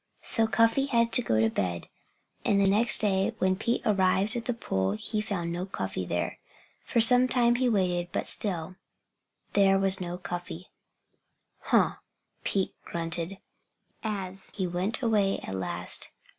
So Cuffy had to go to bed. And the next day when Pete arrived at the pool he found no Cuffy there. For some time he waited. But still there was no Cuffy. "Huh!" Pete grunted, as he went away at last.